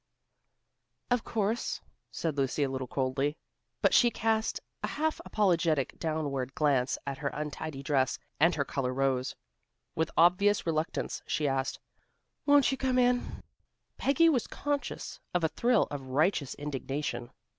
"Of course," said Lucy a little coldly, but she cast a half apologetic downward glance at her untidy dress, and her color rose. With obvious reluctance she asked, "Won't you come in?" Peggy was conscious of a thrill of righteous indignation.